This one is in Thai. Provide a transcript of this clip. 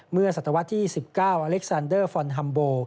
ศตวรรษที่๑๙อเล็กซานเดอร์ฟอนฮัมโบ